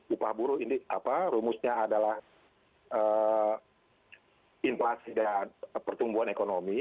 upah buruh ini rumusnya adalah inflasi dan pertumbuhan ekonomi